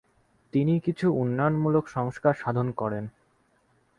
তিনি কিছু উন্নয়নমূলক সংস্কার সাধন করেন।